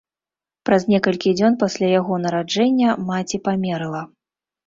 Праз некалькі дзён пасля яго нараджэння маці памерла.